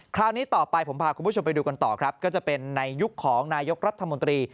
คราวนี้ต่อไปผมพาคุณผู้ชมไปดูกันต่อครับก็จะเป็นในยุคของนายกรัฐมนตรี